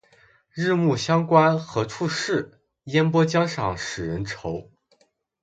日暮乡关何处是？烟波江上使人愁。